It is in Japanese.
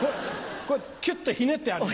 これキュっとひねってあるの。